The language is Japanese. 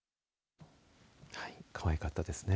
かわいかったですね。